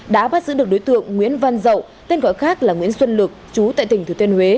đã bắt giữ được đối tượng nguyễn văn dậu tên gọi khác là nguyễn xuân lực chú tại tỉnh thừa thiên huế